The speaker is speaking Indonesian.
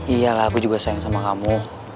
iyalah aku juga sayang sama kamu